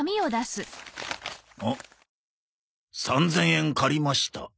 「３０００円借りました」